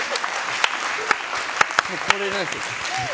これなんですよ。